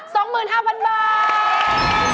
เจ๋งมาก